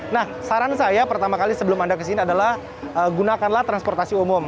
nah saran saya pertama kali sebelum anda kesini adalah gunakanlah transportasi umum